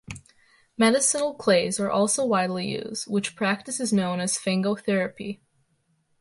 Medicinal clays are also widely used, which practice is known as 'fangotherapy'.